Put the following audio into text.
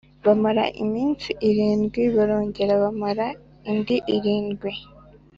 bamara iminsi irindwi barongera bamara indi irindwi